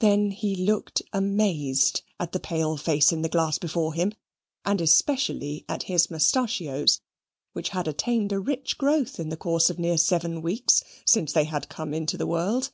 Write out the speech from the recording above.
Then he looked amazed at the pale face in the glass before him, and especially at his mustachios, which had attained a rich growth in the course of near seven weeks, since they had come into the world.